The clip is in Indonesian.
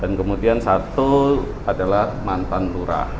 dan kemudian satu adalah mantan lura